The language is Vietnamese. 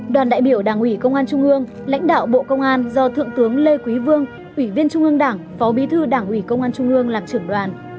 đoàn đại biểu đảng ủy công an trung ương lãnh đạo bộ công an do thượng tướng lê quý vương ủy viên trung ương đảng phó bí thư đảng ủy công an trung ương làm trưởng đoàn